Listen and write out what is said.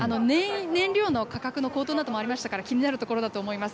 燃料の価格の高騰などもありましたから、気になるところだと思います。